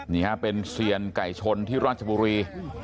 นี่ฮะเป็นเซียนไก่ชนที่ราชบุรี